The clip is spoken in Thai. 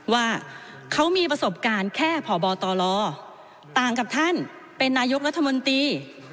ว่าเขามีประสบการณ์แค่พบตรต่างกับท่านเป็นนายกรัฐมนตรี